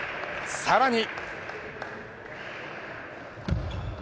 さらに。